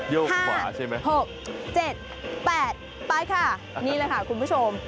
ขวาใช่ไหม๖๗๘ไปค่ะนี่เลยค่ะคุณผู้ชม